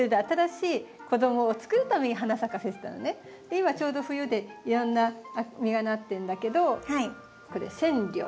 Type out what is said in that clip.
今ちょうど冬でいろんな実がなってるんだけどこれセンリョウ。